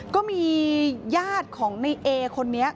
ก็มีญาติของในเอคนนี้